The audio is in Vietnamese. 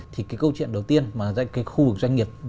thì cái câu chuyện đầu tiên mà ra cái khu vực doanh nghiệp